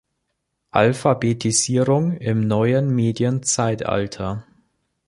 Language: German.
Alphabetisierung im neuen Medienzeitalter.